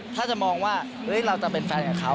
ถ้าจะมองว่าเราจะเป็นแฟนกับเขา